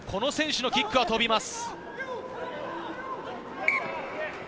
この選手のキックは飛びます。